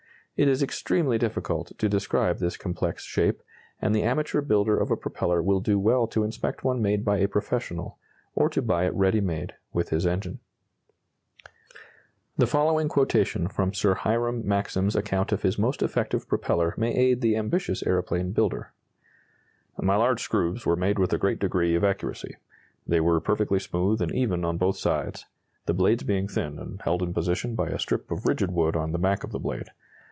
It is extremely difficult to describe this complex shape, and the amateur builder of a propeller will do well to inspect one made by a professional, or to buy it ready made with his engine. [Illustration: Forming a 4 blade propeller out of 8 layers of wood glued firmly together.] The following quotation from Sir Hiram Maxim's account of his most effective propeller may aid the ambitious aeroplane builder: "My large screws were made with a great degree of accuracy; they were perfectly smooth and even on both sides, the blades being thin and held in position by a strip of rigid wood on the back of the blade....